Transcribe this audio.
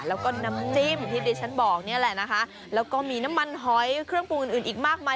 แล้วก็น้ำจิ้มที่ดิฉันบอกนี่แหละนะคะแล้วก็มีน้ำมันหอยเครื่องปรุงอื่นอื่นอีกมากมาย